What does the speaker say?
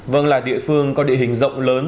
vâng là địa phương có địa hình rộng lớn